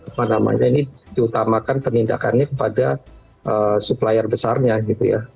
apa namanya ini diutamakan penindakannya kepada supplier besarnya gitu ya